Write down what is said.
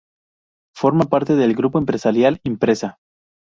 Forma parte del grupo empresarial Impresa.